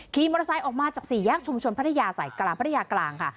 ขี่มอเตอร์ไซค์ออกมาจากสี่แยกชุมชนพัทยาใส่กลางพัทยากลางค่ะ